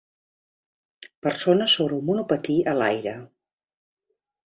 persona sobre un monopatí a l"aire.